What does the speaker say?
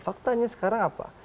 faktanya sekarang apa